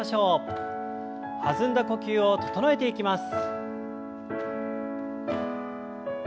弾んだ呼吸を整えていきます。